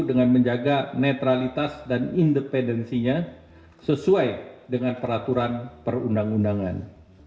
dengan menjaga netralitas dan independensinya sesuai dengan peraturan perundang undangan